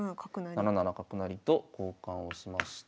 ７七角成と交換をしまして。